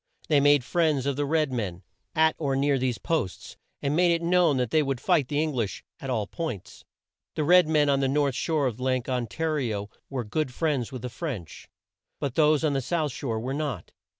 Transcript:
They made friends of the red men at or near these posts, and made it known that they would fight the Eng lish at all points. The red men on the north shore of Lake On ta ri o were good friends with the French; but those on the south shore were not.